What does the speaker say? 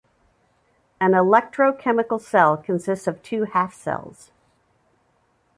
An electrochemical cell consists of two half-cells.